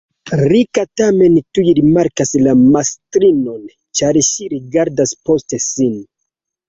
Rika tamen tuj rimarkas la mastrinon, ĉar ŝi rigardas post sin.